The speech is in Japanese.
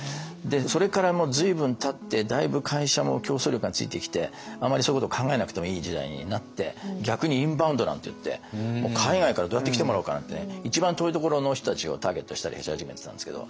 それからもう随分たってだいぶ会社も競争力がついてきてあまりそういうことを考えなくてもいい時代になって逆にインバウンドなんていって海外からどうやって来てもらおうかなんてね。一番遠いところの人たちをターゲットにしたりし始めてたんですけど。